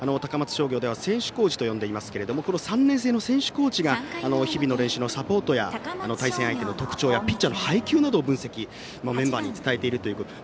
商業では選手コーチと呼んでいますが３年生の選手コーチが日々の練習のサポートや対戦相手の特徴やピッチャーの配球などを分析してメンバーに伝えているということで。